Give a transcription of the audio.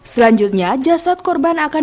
selanjutnya jasad korban akan